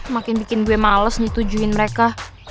makin bikin gue males nih tujuin mereka